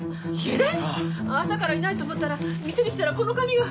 朝からいないと思ったら店に来たらこの紙が。